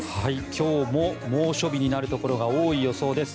今日も猛暑日になるところが多い予想です。